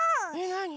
なに？